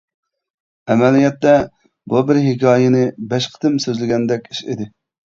ئەمەلىيەتتە بۇ بىر ھېكايىنى بەش قېتىم سۆزلىگەندەك ئىش ئىدى.